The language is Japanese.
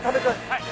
はい。